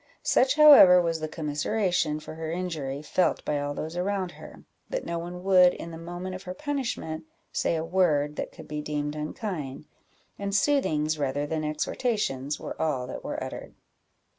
Such, however, was the commiseration for her injury felt by all those around her, that no one would, in the moment of her punishment, say a word that could be deemed unkind; and soothings, rather than exhortations, were all that were uttered.